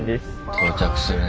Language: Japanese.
到着するね。